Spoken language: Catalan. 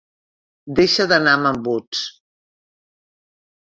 Deixa d'anar amb embuts.